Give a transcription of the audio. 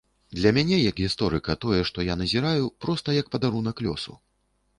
Для мяне як гісторыка тое, што я назіраю проста як падарунак лёсу.